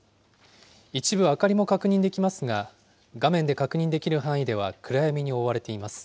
一部、明かりも確認できますが、画面で確認できる範囲では暗闇に覆われています。